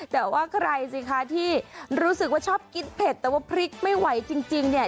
แต่ว่าใครสิคะที่รู้สึกว่าชอบกินเผ็ดแต่ว่าพริกไม่ไหวจริงเนี่ย